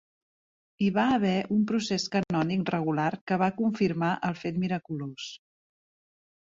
Hi va haver un procés canònic regular que va confirmar el fet miraculós.